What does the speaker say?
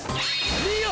見よ！